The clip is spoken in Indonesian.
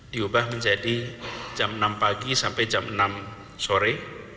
diubah menjadi jam enam pagi sampai jam enam sore